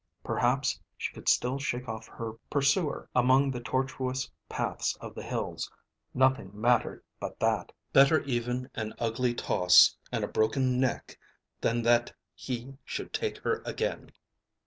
Perhaps she could still shake off her pursuer among the tortuous paths of the hills. Nothing mattered but that. Better even an ugly toss and a broken neck than that he should take her again.